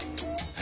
え？